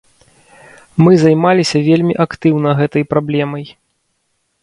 Мы займаліся вельмі актыўна гэтай праблемай.